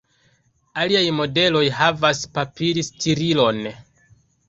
Aliaj modeloj havas papili-stirilon.